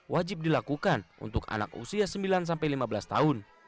wajib dilakukan untuk anak usia sembilan lima belas tahun